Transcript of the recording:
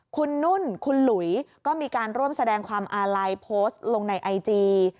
คุณนุ่นคุณหลุยก็มีการร่วมแสดงความอาลัยโพสต์ลงในไอจี